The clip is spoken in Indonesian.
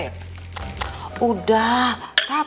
ya udah nah